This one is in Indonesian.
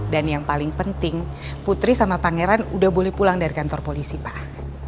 dan yang paling penting putri sama pangeran udah boleh pulang dari kantor polisi pak